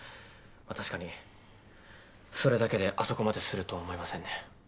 まあ確かにそれだけであそこまでするとは思えませんね。